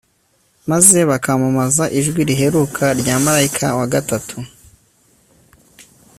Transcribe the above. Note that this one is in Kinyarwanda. maze bakamamaza ijwi riheruka rya malayika wa gatatu